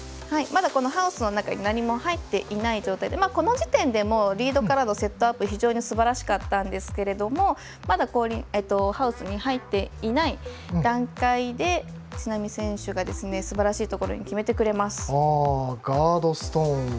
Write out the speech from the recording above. まだハウスの中に何も入っていない状態でこの時点で、もうリードからのセットアップが非常にすばらしかったんですがまだハウスに入っていない段階で知那美選手がすばらしいところに決めてくれます。